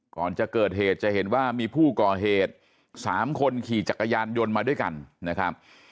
ก่อนจะเกิดเหตุจะเห็นว่ามีผู้ก่อเหตุ๓คนขี่จักรยานยนต์มาด้วยกันนะครับ